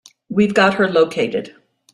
We've got her located.